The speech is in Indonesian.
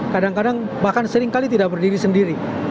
kadang kadang bahkan seringkali tidak berdiri sendiri